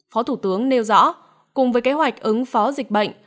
phó thủ tướng nêu rõ cùng với kế hoạch ứng phó dịch bệnh